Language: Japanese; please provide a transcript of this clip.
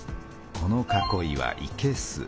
この囲いはいけす。